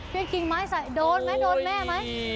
ด้วยกิ่งไม้ใส่โดนไหมโดนแม่ไหม